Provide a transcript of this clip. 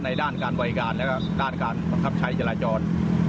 ในด้านการบรรยากาศและการการบังคับใช้จราจร